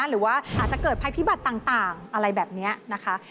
หรือว่าอาจจะเกิดภัยพิบัติต่างอะไรแบบนี้นะคะ